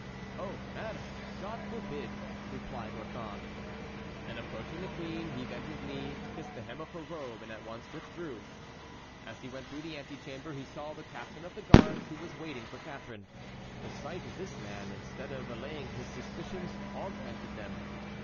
"Oh, madame, God forbid!" replied Orthon. And approaching the queen, he bent his knee, kissed the hem of her robe, and at once withdrew. As he went through the antechamber he saw the captain of the guards, who was waiting for Catharine. The sight of this man, instead of allaying his suspicions, augmented them.